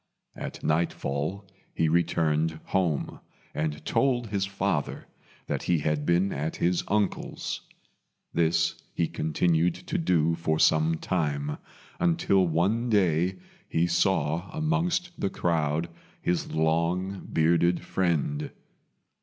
At nightfall he returned home, and told his father that he had been at his uncle's. This he continued to do for some time, until one day he saw amongst the crowd his long bearded friend.